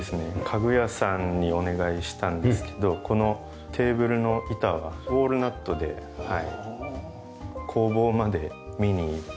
家具屋さんにお願いしたんですけどこのテーブルの板はウォールナットで工房まで見に行って板を選んで作って頂き。